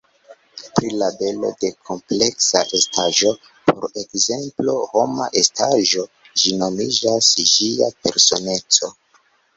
Pri la belo de kompleksa estaĵo, por ekzemplo homa estaĵo, ĝi nomiĝas ĝia personeco.